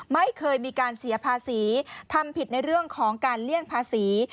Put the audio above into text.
ไม่เคยมีการเสียภาษีทำผิดในเรื่องของการเลี่ยงภาษี